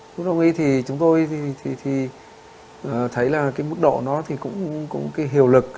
thuốc đông y thì chúng tôi thấy là cái mức độ nó thì cũng hiệu lực